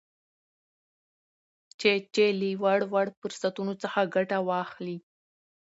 چې چې له وړ وړ فرصتونو څخه ګته واخلي